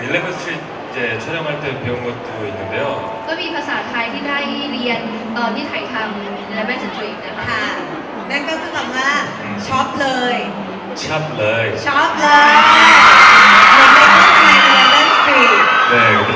และเขาก็ได้เรียนรู้ตอนที่เลเว่นสตริม